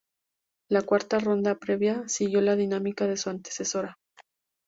La cuarta ronda previa siguió la dinámica de su antecesora.